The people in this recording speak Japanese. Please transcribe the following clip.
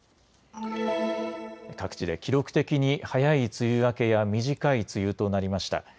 各地で記録的に早い梅雨明けや短い梅雨となりました。